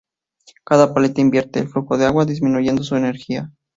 Cada paleta invierte el flujo de agua, disminuyendo su energía.